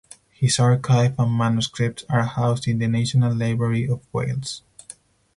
His archive and manuscripts are housed in the National Library of Wales.